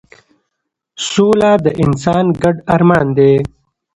سوله د انسان ګډ ارمان دی